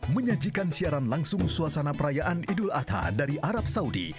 menyajikan siaran langsung suasana perayaan idul adha dari arab saudi